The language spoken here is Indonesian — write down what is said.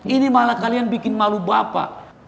ini malah kalian bikin malu bapak